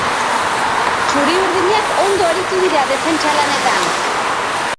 Txuri-urdinak ondo aritu dira defentsa lanean.